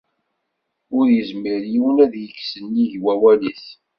Ur yezmir yiwwen ad d-yekk sennig wawal-is.